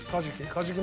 カジキ。